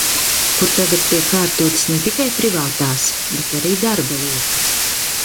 Kur tagad tiek kārtotas ne tikai privātās, bet arī darba lietas.